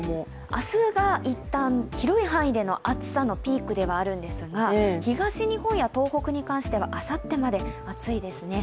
明日がいったん、広い範囲での暑さのピークではあるんですが東日本や東北に関してはあさってまで暑いですね。